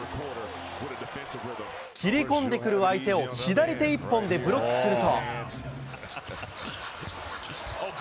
切り込んでくる相手を左手一本でブロックすると。